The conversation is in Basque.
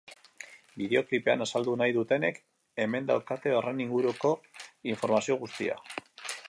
Bideoklipean azaldu nahi dutenek hemen daukate horren inguruko informazio guztia.